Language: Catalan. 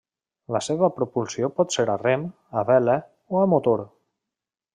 La seva propulsió pot ser a rem, a vela o a motor.